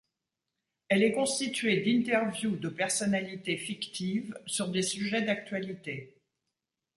Elle est constituée d'interviews de personnalités fictives, sur des sujets d'actualité.